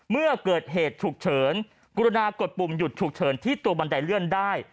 เมื่อเกิดเหตุฉุกเฉินกรุณากดปุ่มหยุดฉุกเฉินที่ตัวบันไดเลื่อนได้